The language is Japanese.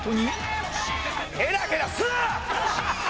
ヘラヘラすな！！